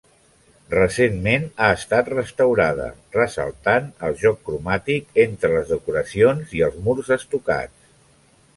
Recentment ha estat restaurada, ressaltant el joc cromàtic entre les decoracions i els murs estucats.